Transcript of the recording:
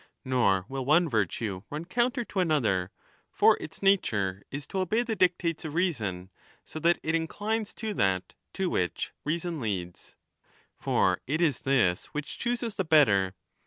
5 Nor will one virtue run counter to another, for its nature is to obey the dictates of reason, so that it inclines to that to which reason leads. For it is this which chooses the better.